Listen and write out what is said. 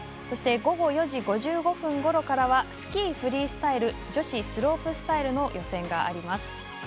そして午後４時５５分ごろからはスキー・フリースタイル女子スロープスタイルの予選があります。